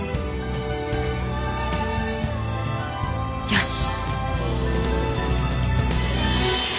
よし！